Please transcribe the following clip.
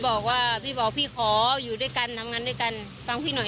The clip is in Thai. บอกว่าพี่บอกพี่ขออยู่ด้วยกันทำงานด้วยกันฟังพี่หน่อย